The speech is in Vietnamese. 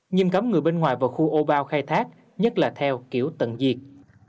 nhưng cấm người bên ngoài vào khu ô bao khai thác nhất là theo kiểu tận diệt